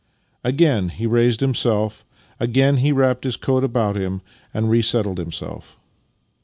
Again he raised himself, again he wTapped his coat about him, and resettled himself.